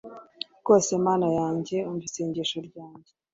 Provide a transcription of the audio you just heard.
Rwose Mana yanjye umva isengesho ryanjye